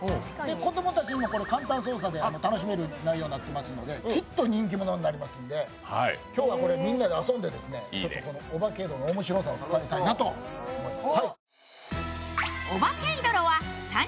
子供たちにも簡単操作で楽しめる内容になっていますのできっと人気者になりますので今日はこれ、みんなで遊んでちょっとこのオバケの面白さを伝えたいなと思います。